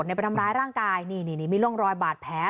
ไม่ใช่ไปทำร้ายร่างกายนี่มีร่องรอยบาดแผล